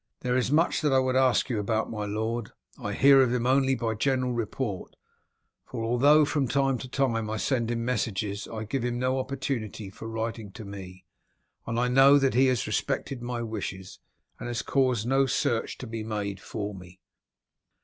There is much that I would ask you about my lord. I hear of him only by general report, for although from time to time I send him messages I give him no opportunity for writing to me, and I know that he has respected my wishes, and has caused no search to be made for me."